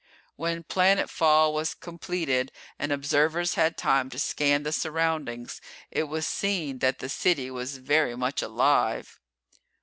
When planet fall was completed and observers had time to scan the surroundings it was seen that the city was very much alive.